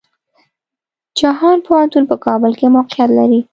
جهان پوهنتون په کابل کې موقيعت لري.